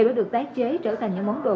để được tái chế trở thành những món đồ